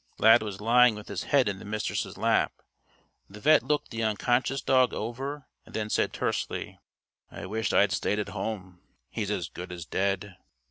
Lad was lying with his head in the Mistress' lap. The vet' looked the unconscious dog over and then said tersely: "I wish I'd stayed at home. He's as good as dead."